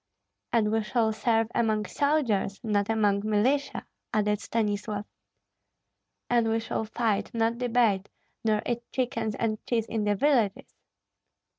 "And we shall serve among soldiers, not among militia," added Stanislav. "And we shall fight, not debate, nor eat chickens and cheese in the villages."